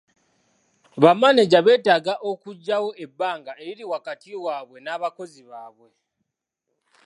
Bamaneja beetaaga okuggyawo ebbanga eriri wakati waabwe n'abakozi baabwe.